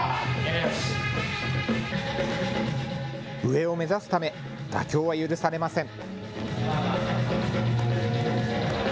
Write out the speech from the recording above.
上を目指すため妥協は許されません。